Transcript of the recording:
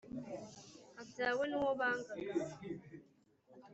abyawe n`uwo bangaga